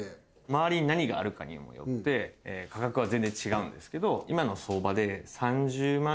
周りに何があるかにもよって価格は全然違うんですけど。